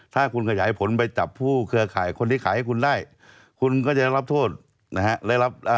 ถ้าคุณขยายผลไปจับผู้เครือข่ายคนที่ขายให้คุณได้คุณก็จะได้รับโทษนะฮะ